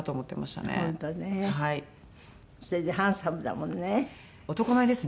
それでハンサムだもんね。